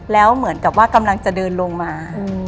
แล้วเหมือนกับว่ากำลังจะเดินลงมา